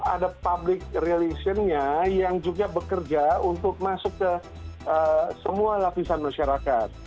ada public relation nya yang juga bekerja untuk masuk ke semua lapisan masyarakat